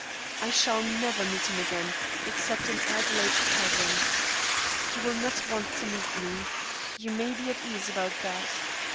I shall never meet him again, except in Adelaide's presence. He will not want to meet me. You may be at ease about that.